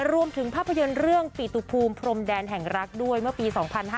รวมถึงภาพยนตร์เรื่องปิตุภูมิพรมแดนแห่งรักด้วยเมื่อปี๒๕๕๙